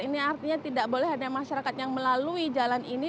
ini artinya tidak boleh ada masyarakat yang melalui jalan ini